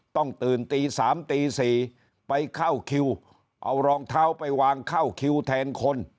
ต้องตื่นตี๓ตี๔ไปเข้าคิวเอารองเท้าไปวางเข้าคิวแทนคน